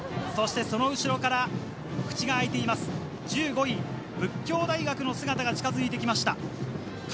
その後ろから口が開いています、１５位・佛教大学の姿が近づいてきました。